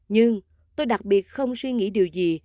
nhưng tôi đặc biệt không suy nghĩ điều gì